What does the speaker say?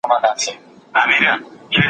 تاسو باید هره ورځ یوه نوې خبره زده کړئ.